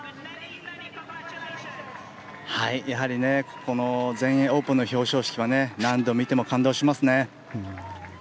やはりこの全英オープンの表彰式は何度見ても感動しますね。